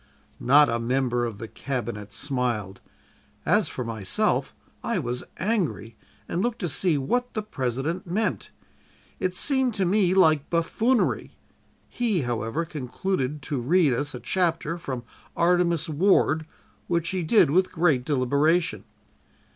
"Not a member of the Cabinet smiled; as for myself, I was angry, and looked to see what the President meant. It seemed to me like buffoonery. He, however, concluded to read us a chapter from 'Artemus Ward,' which he did with great deliberation.